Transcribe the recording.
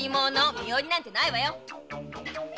身寄りなんてないわよ